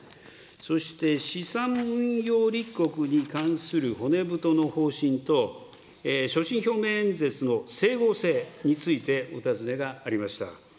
そして資産運用立国に関する骨太の方針と所信表明演説の整合性についてお尋ねがありました。